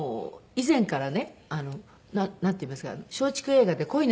以前からねなんていいますか松竹映画で『恋の季節』という。